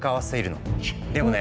でもね